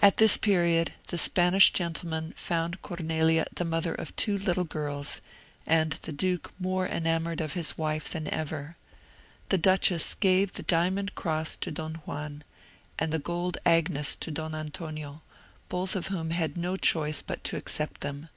At this period, the Spanish gentlemen found Cornelia the mother of two little girls, and the duke more enamoured of his wife than ever. The duchess gave the diamond cross to Don Juan, and the gold agnus to Don Antonio, both of whom had now no choice but to accept them.